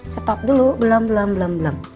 stop dulu belom belum belum belum